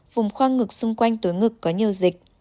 vùng khoang ngực xung quanh túi ngực có nhiều dịch